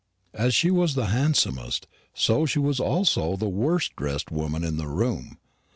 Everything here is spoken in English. As she was the handsomest, so she was also the worst dressed woman in the room.